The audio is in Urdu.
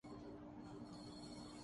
ہم نے اس کے بارے میں کچھ نہیں سنا تھا۔